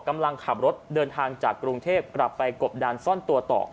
กำลังขับรถเดินทางจากกรุงเทพกลับไปกบดานซ่อนตัวต่อ